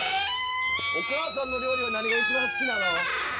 お母さんの料理は何が一番好きなの？